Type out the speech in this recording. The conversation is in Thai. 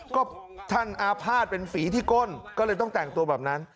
ก็ท่านอาภาษณ์เป็นฝีที่ก้นก็เลยต้องแต่งตัวแบบนั้น